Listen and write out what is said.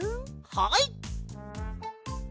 はい！